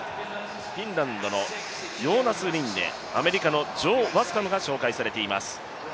フィンランドのヨーナス・リンネ、アメリカのジョー・ワスカムが紹介されています。